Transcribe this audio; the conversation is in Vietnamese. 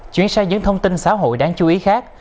chuyển sang những thông tin xã hội đáng chú ý khác